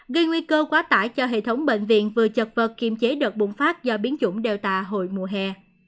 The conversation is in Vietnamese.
gây nguy cơ quá tải cho hệ thống bệnh viện vừa chật vật kiềm chế đợt bùng phát do biến dụng delta hồi mùa hè